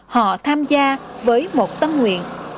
họ tham gia với một tâm nguyện